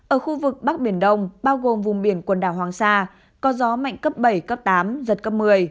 ở khu vực bắc biển đông bao gồm vùng biển quần đảo hoàng sa có gió mạnh cấp bảy cấp tám giật cấp một mươi